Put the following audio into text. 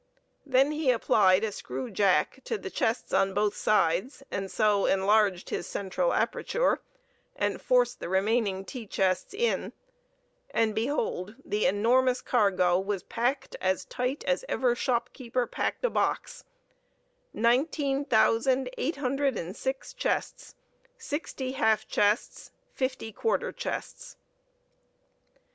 Then he applied a screw jack to the chests on both sides, and so enlarged his central aperture, and forced the remaining tea chests in; and behold the enormous cargo packed as tight as ever shopkeeper packed a box—19,806 chests, 60 half chests, 50 quarter chests.